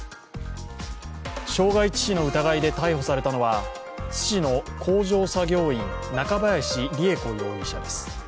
傷害致死の疑いで逮捕されたのは、津市の工場作業員中林りゑ子容疑者です。